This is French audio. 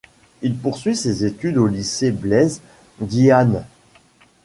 Il poursuit ses études au lycée Blaise Diagne.